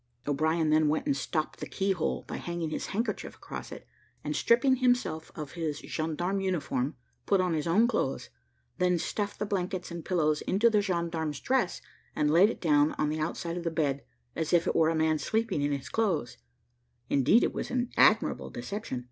O'Brien then went and stopped the key hole, by hanging his handkerchief across it, and stripping himself of his gendarme uniform, put on his own clothes; then stuffed the blankets and pillows into the gendarme's dress, and laid it down on the outside of the bed, as if it were a man sleeping in his clothes indeed it was an admirable deception.